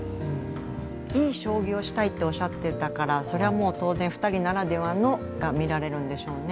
いい将棋をしたいとおっしゃっていたから当然、２人ならではが見れるんでしょうね。